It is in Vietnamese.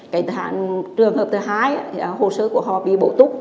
cái trường hợp thứ hai hồ sơ của họ bị bổ túc